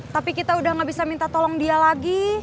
tapi kita udah gak bisa minta tolong dia lagi